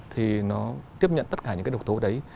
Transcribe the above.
thì nó tiếp nhận tất cả những cái độc tố đấy